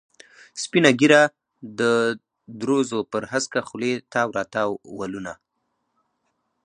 سپینه ږیره، د دروزو پر هسکه خولې تاو را تاو ولونه.